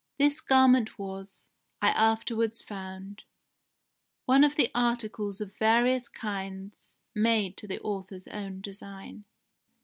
This garment was, I afterwards found, one of the articles of various kinds made to the author's own design.